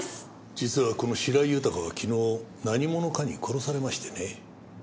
実はこの白井豊は昨日何者かに殺されましてね。